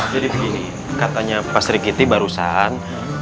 jadi begini katanya pak sri kiti barusan